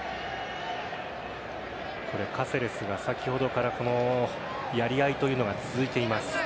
カセレスが先ほどからやり合いというのが続いています。